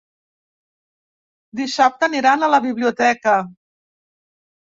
Dissabte aniran a la biblioteca.